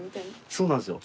そうなんですよ。